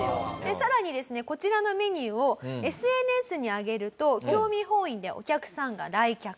さらにですねこちらのメニューをＳＮＳに上げると興味本位でお客さんが来客。